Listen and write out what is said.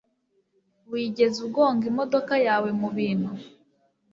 Wigeze ugonga imodoka yawe mubintu?